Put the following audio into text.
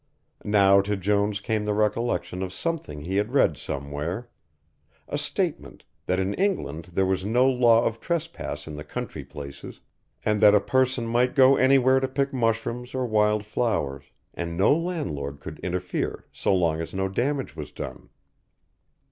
Now to Jones came the recollection of something he had read somewhere. A statement, that in England there was no law of trespass in the country places, and that a person might go anywhere to pick mushrooms or wild flowers, and no landlord could interfere so long as no damage was done.